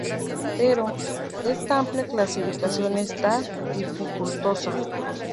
Pero, esta amplia clasificación es dificultosa.